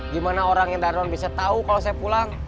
gimana orang yang darlon bisa tahu kalau saya pulang